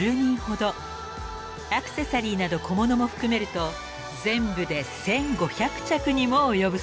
［アクセサリーなど小物も含めると全部で１５００着にも及ぶそう］